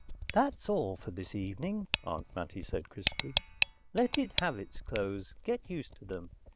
"That's all for this evening," Aunt Mattie said crisply. "Let it have its clothes, get used to them.